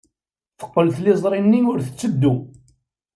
Teqqel tliẓri-nni ur tetteddu.